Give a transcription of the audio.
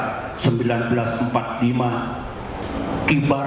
kibarkan kekuatan dan kekuatan kita